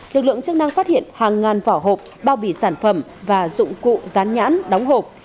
lực lượng chức năng phát hiện hàng ngàn vỏ hộp bao bì sản phẩm và dụng cụ rán nhãn đóng hộp